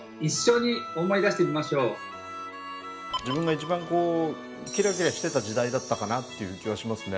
自分が一番こうキラキラしてた時代だったかなっていう気はしますね。